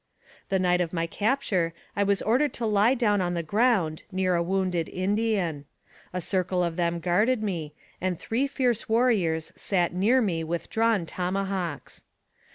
The night of my capture, I was ordered to lie down on the ground, near a wounded Indian. A circle of them guarded me, and three fierce warriors sat near me with drawn tomahawks.